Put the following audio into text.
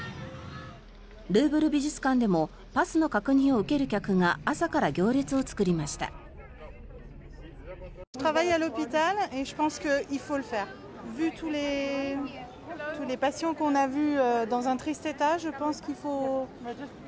ルーブル美術館でもパスの確認を受ける客が朝から行列を作りました。